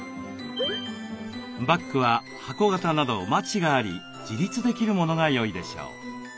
バッグは箱型などマチがあり自立できるものがよいでしょう。